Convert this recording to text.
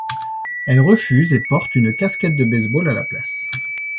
Elle refuse et porte une casquette de baseball à la place.